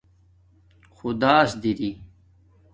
خداس دِری